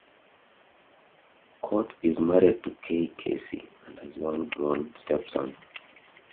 Choate is married to Kay Casey and has one grown stepson.